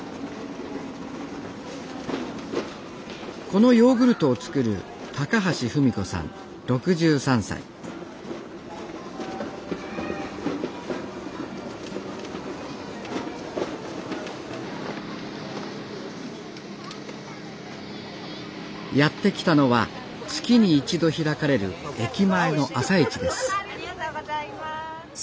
このヨーグルトを作るやって来たのは月に一度開かれる駅前の朝市です